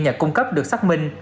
nhà cung cấp được xác minh